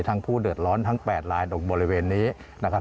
ผู้เดือดร้อนทั้ง๘ลายตรงบริเวณนี้นะครับ